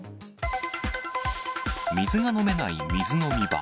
水が飲めない水飲み場。